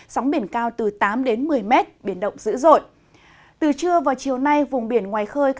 sóng biển cao từ tám đến một mươi m biển động dữ dội